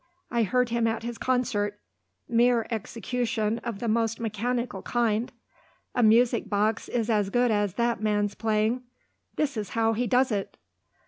I heard him at his concert. Mere execution of the most mechanical kind. A musical box is as good as that man's playing. This is how he does it!"